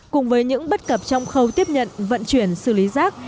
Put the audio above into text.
cùng với những bất cập trong khâu tiếp nhận vận chuyển xử lý rác